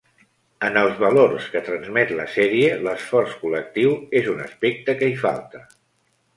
En els valors que transmet la sèrie, l'esforç col·lectiu és un aspecte que hi falta.